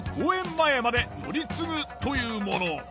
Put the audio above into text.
前まで乗り継ぐというもの。